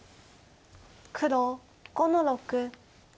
黒５の六。